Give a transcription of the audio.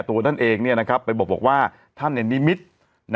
ตัวนั้นเองเนี่ยนะครับไปบอกบอกว่าท่านเนี่ยนิมิตรนะ